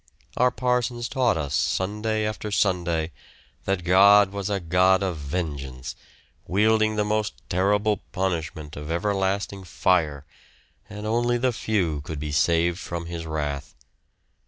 Our parsons taught us Sunday after Sunday that God was a God of vengeance, wielding the most terrible punishment of everlasting fire, and only the few could be saved from his wrath.